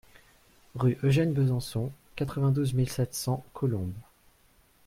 Rue Eugène Besançon, quatre-vingt-douze mille sept cents Colombes